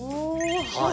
はい。